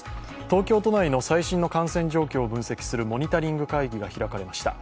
東京都内の最新の感染状況を分析するモニタリング会議が開かれました。